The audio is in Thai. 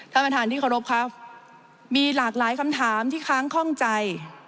ท่านประธานที่เคารพครับมีหลากหลายคำถามที่ค้างคล่องใจ